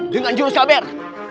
dengan jurus g tc ramadan